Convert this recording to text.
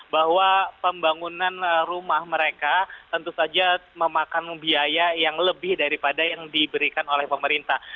bahwa pembangunan rumah mereka tentu saja memakan biaya yang lebih daripada yang diberikan oleh pemerintah